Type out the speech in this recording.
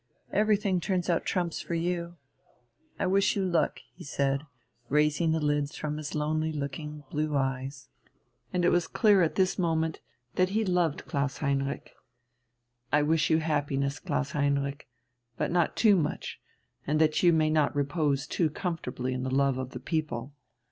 Everything turns out trumps for you.... I wish you luck," he said, raising the lids from his lonely looking, blue eyes. And it was clear at this moment that he loved Klaus Heinrich. "I wish you happiness, Klaus Heinrich but not too much, and that you may not repose too comfortably in the love of the people.